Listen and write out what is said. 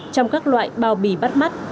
trong các loại bao bì bắt mắt